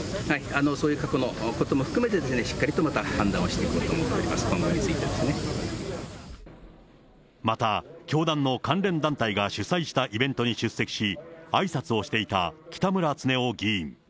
そういう過去のことも含めて、しっかりとまた判断をしていくと思っております、今後についてでまた、教団の関連団体が主催したイベントに出席し、あいさつをしていた北村経夫議員。